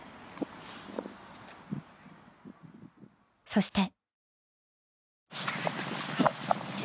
そして。